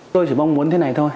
tôi chỉ mong muốn thế này thôi